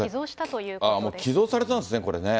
もう寄贈されたんですね、これね。